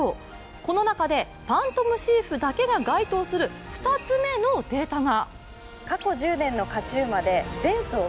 この中でファントムシーフだけが該当する２つ目のデータが。